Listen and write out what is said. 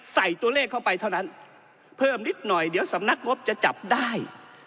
ใส่ตัวเลขเข้าไปเท่านั้นเพิ่มนิดหน่อยเดี๋ยวสำนักงบจะจับได้